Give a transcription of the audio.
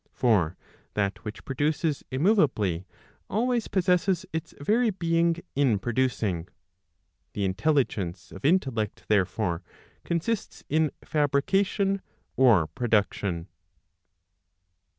For that which produces immoveably, [always possesses] its very being [in producing. The intelligence of intellect therefore consists in fabrication or production.